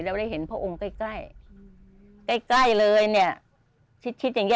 แล้วได้เห็นพระองค์ใกล้ใกล้เลยเนี่ยชิดอย่างนี้